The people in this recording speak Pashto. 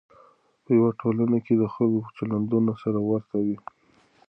په یوه ټولنه کې د خلکو چلندونه سره ورته وي.